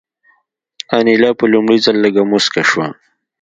انیلا په لومړي ځل لږه موسکه شوه